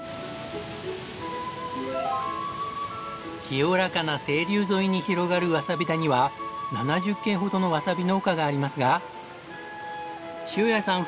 清らかな清流沿いに広がるわさび田には７０軒ほどのわさび農家がありますが塩谷さん